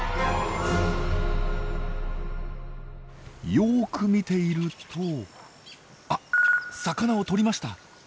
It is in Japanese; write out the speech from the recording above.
よく見ているとあっ魚をとりました！